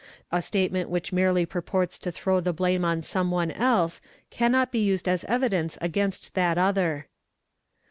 — A statement which merely purports to throw the blame on some one else cannot be used as evidence against that other.